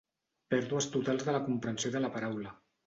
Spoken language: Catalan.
Pèrdues totals de la comprensió de la paraula.